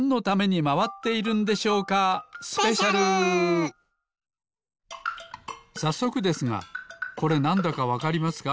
ほんじつはさっそくですがこれなんだかわかりますか？